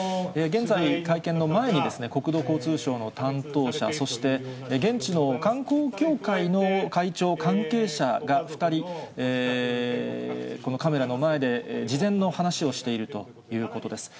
現在、会見の前に、国土交通省の担当者、そして、現地の観光協会の会長関係者が２人、このカメラの前で事前の話をしているということです。